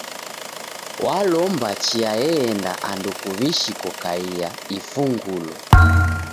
W'alomba chia eenda andu kuw'ishi kokaia ifungulo.